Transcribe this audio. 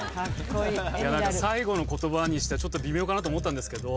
最後の言葉にしては微妙かなと思ったんですけど。